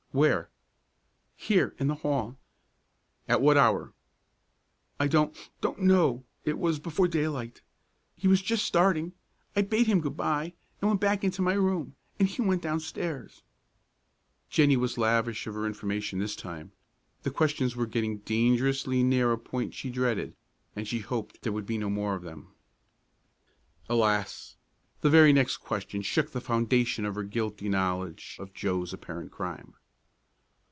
"Where?" "Here, in the hall." "At what hour?" "I don't don't know. It was before daylight. He was just starting. I bade him good by, and went back into my room, and he went on downstairs." Jennie was lavish of her information this time. The questions were getting dangerously near a point she dreaded, and she hoped there would be no more of them. Alas! The very next question shook the foundation of her guilty knowledge of Joe's apparent crime.